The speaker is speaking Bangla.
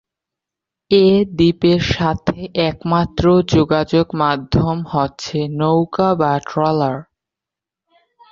এ দ্বীপের সাথে একমাত্র যোগাযোগ মাধ্যম হচ্ছে নৌকা বা ট্রলার।